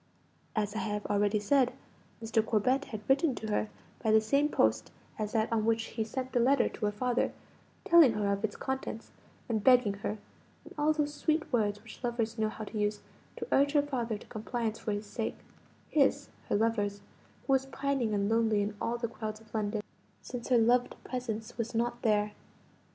As I have already said, Mr. Corbet had written to her by the same post as that on which he sent the letter to her father, telling her of its contents, and begging her (in all those sweet words which lovers know how to use) to urge her father to compliance for his sake his, her lover's who was pining and lonely in all the crowds of London, since her loved presence was not there.